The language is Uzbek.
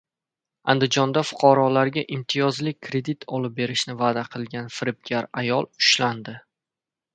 Andijonda fuqarolarga imtiyozli kredit olib berishni va’da qilgan firibgar ayol ushlandi